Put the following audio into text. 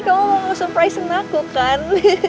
kamu mau surprisein aku kan